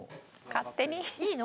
勝手に？いいの？